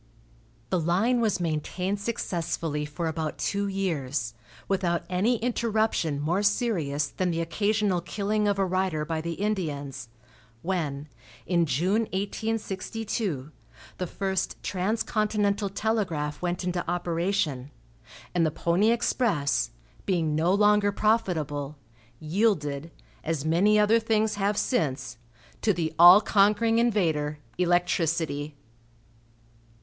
The line was maintained successfully for about two years, without any interruption more serious than the occasional killing of a rider by the Indians, when, in June, 1862, the first transcontinental telegraph went into operation, and the pony express, being no longer profitable, yielded, as many other things have since, to the all conquering invader, electricity.